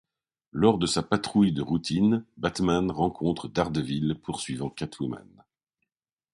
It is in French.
Lors de sa patrouille de routine Batman rencontre Daredevil poursuivant Catwoman.